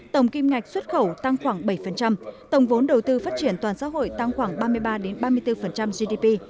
tổng kim ngạch xuất khẩu tăng khoảng bảy tổng vốn đầu tư phát triển toàn xã hội tăng khoảng ba mươi ba ba mươi bốn gdp